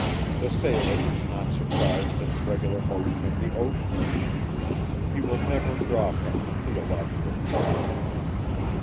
The sailor is not surprised at the regular motion of the ocean; he will never draw from it theological conclusions.